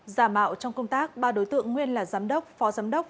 giả mạo trong công tác ba đối tượng nguyên là giám đốc phó giám đốc